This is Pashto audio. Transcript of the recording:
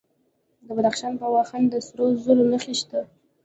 د بدخشان په واخان کې د سرو زرو نښې شته.